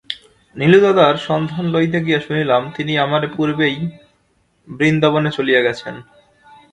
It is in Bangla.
নীলুদাদার সন্ধান লইতে গিয়া শুনিলাম, তিনি আমারে পূর্বেই বৃন্দাবনে চলিয়া গেছেন।